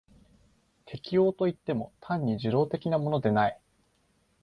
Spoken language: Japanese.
適応といっても単に受動的なものでない。